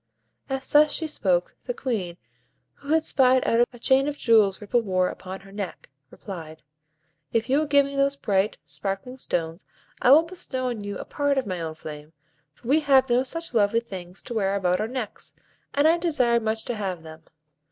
As thus she spoke, the Queen, who had spied out a chain of jewels Ripple wore upon her neck, replied,— "If you will give me those bright, sparkling stones, I will bestow on you a part of my own flame; for we have no such lovely things to wear about our necks, and I desire much to have them.